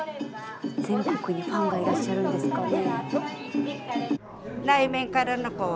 全国にファンがいらっしゃるんですかね。